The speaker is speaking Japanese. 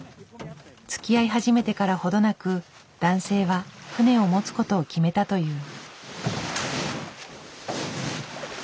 つきあい始めてからほどなく男性は船を持つことを決めたという。